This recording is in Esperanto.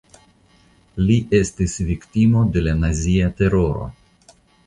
Li estis viktimo de la nazia teroro.